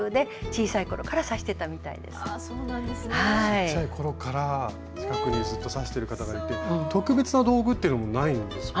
ちっちゃい頃から近くにずっと刺してる方がいて特別な道具というのもないんですもんね。